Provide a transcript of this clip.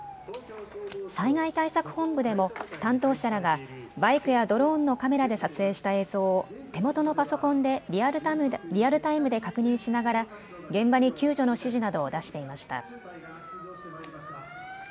災害対策本部でも担当者らがバイクやドローンのカメラで撮影した映像を手元のパソコンでリアルタイムで確認しながら現場に救助の指示などを出していました。